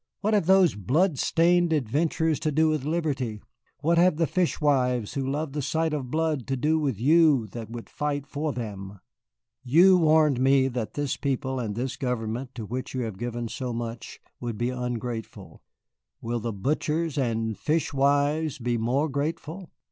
What have those blood stained adventurers to do with Liberty, what have the fish wives who love the sight of blood to do with you that would fight for them? You warned me that this people and this government to which you have given so much would be ungrateful, will the butchers and fish wives be more grateful?"